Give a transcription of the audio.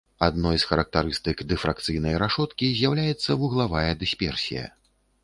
Адной з характарыстык дыфракцыйнай рашоткі з'яўляецца вуглавая дысперсія.